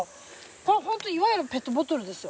これホントいわゆるペットボトルですよ。